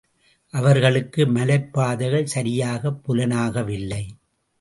அவர்களுக்கு மலைப் பாதைகள் சரியாகப் புலனாகவில்லை.